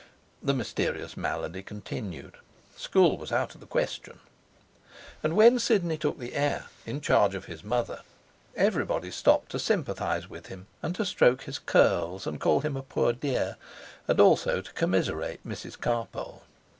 The mysterious malady continued. School was out of the question. And when Sidney took the air, in charge of his mother, everybody stopped to sympathize with him and to stroke his curls and call him a poor dear, and also to commiserate Mrs Carpole.